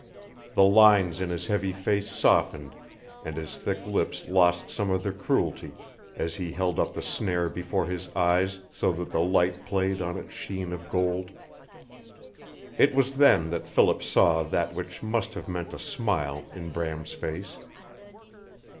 The lines in his heavy face softened and his thick lips lost some of their cruelty as he held up the snare before his eyes so that the light played on its sheen of gold. It was then that Philip saw that which must have meant a smile in Bram's face.